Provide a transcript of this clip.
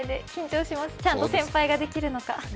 ちゃんと先輩ができるのか。